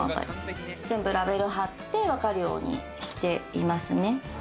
全部ラベル貼って分かるようにしていますね。